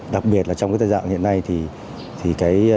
đặc biệt trong thời gian hiện nay